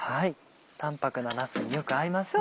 淡泊ななすによく合いますね。